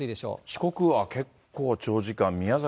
四国は結構長時間、宮崎